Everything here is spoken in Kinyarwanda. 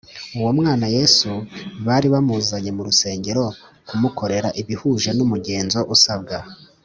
uwo mwana Yesu bari bamuzanye mu rusengero kumukorera ibihuje n umugenzo usabwa